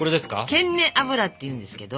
ケンネ脂っていうんですけど。